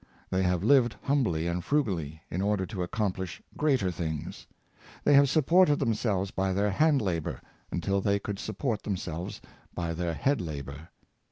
They have lived humbly and frugally, in order to accomplish greater things. They have supported themselves by their hand labor, until they could support themselves by their head labor.